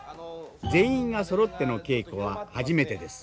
全員がそろっての稽古は初めてです。